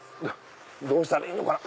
どうしたらいいのかな？